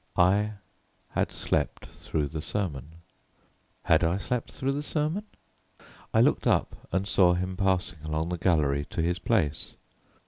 I had slept through the sermon. Had I slept through the sermon? I looked up and saw him passing along the gallery to his place.